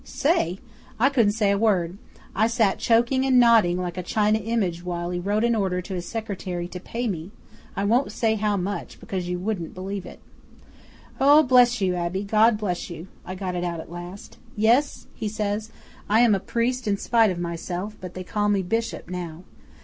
'Say? I couldn't say a word. I sat choking and nodding like a China image while he wrote an order to his secretary to pay me, I won't say how much, because you wouldn't believe it. '"Oh! Bless you, Abbe! God bless you!" I got it out at last. '"Yes," he says, "I am a priest in spite of myself, but they call me Bishop now.